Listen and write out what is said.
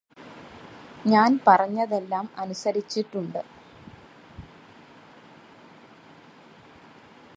ഞാന് പറഞ്ഞതെല്ലാം അനുസരിചിട്ടുണ്ട്